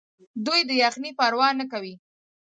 دوی د یخنۍ پروا نه کوي.